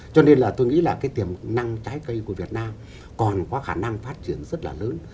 cho nên là tôi nghĩ là cái tiềm năng trái cây của việt nam còn có khả năng phát triển rất là lớn